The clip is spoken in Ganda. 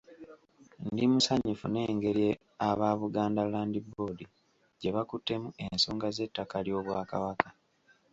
Ndi musanyufu n’engeri aba Buganda Land Board gye bakuttemu ensonga z’ettaka ly’Obwakabaka.